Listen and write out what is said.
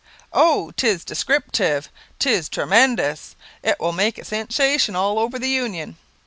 "Oh, 'tis des crip tive; 'tis tre men dous. It will make a sensation all over the Union."